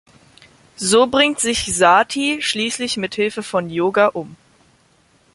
So bringt sich Sati schließlich mit Hilfe von Yoga um.